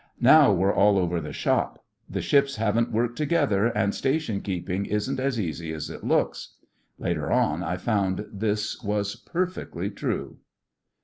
'Now we're all over the shop. The ships haven't worked together, and station keeping isn't as easy as it looks.' Later on I found this was perfectly true.